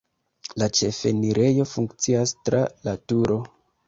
La ĉefenirejo funkcias tra la turo.